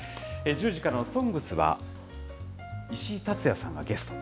１０時からのＳＯＮＧＳは、石井竜也さんがゲスト。